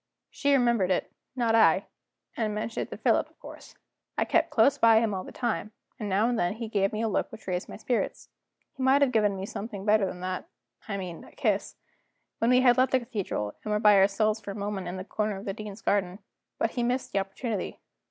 She remembered it, not I and mentioned it to Philip, of course. I kept close by him all the time, and now and then he gave me a look which raised my spirits. He might have given me something better than that I mean a kiss when we had left the cathedral, and were by ourselves for a moment in a corner of the Dean's garden. But he missed the opportunity.